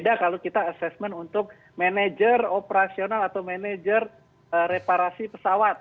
tidak kalau kita assessment untuk manajer operasional atau manajer reparasi pesawat